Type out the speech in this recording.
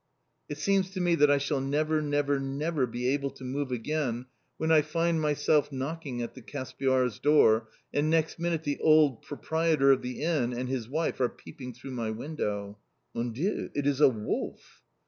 It seems to me that I shall never, never, never be able to move again when I find myself knocking at the Caspiar's door, and next minute the old proprietor of the Inn and his wife are peeping through my window. "Mon Dieu! It is a wolf!"